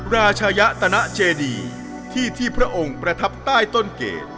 รายตนเจดีที่ที่พระองค์ประทับใต้ต้นเกด